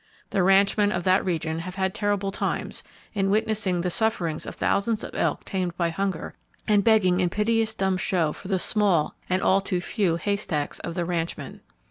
The ranchmen of that region have had terrible times,—in witnessing the sufferings of thousands of elk tamed by hunger, and begging in piteous dumb show for the small and all too few haystacks of the ranchmen.